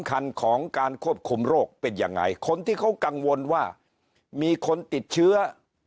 คันของการควบคุมโรคเป็นยังไงคนที่เขากังวลว่ามีคนติดเชื้อ